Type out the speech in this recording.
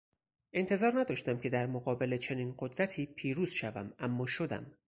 انتظار نداشتم که در مقابل چنین قدرتی پیروز شوم اما شدم!